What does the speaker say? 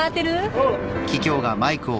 おう！